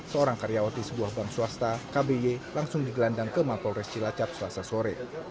seorang karyawati sebuah bank swasta kby langsung digelandang ke mapolres cilacap selasa sore